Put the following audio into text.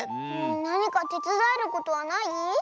なにかてつだえることはない？